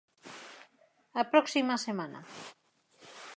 A próxima semana.